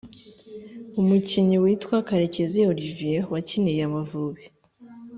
Umukinnyi witwa Karekizi Olivier wakiniye Amavubi